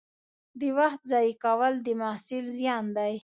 د وخت ضایع کول د محصل زیان دی.